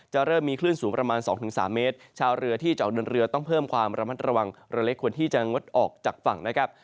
เริ่มมีคลื่นสูงประมาณ๒๓เมตรชาวเรือที่จะออกเดินเรือต้องเพิ่มความระมัดระวังเรือเล็กควรที่จะงดออกจากฝั่งนะครับ